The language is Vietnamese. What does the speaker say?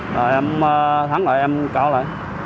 rồi em thắng rồi em cỏ lại